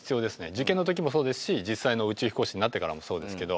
受験の時もそうですし実際の宇宙飛行士になってからもそうですけど。